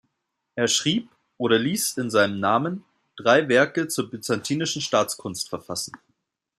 Er schrieb oder ließ in seinem Namen drei Werke zur byzantinischen Staatskunst verfassen.